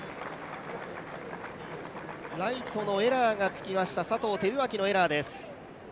ライトのエラーがつきました、佐藤輝明のエラーです。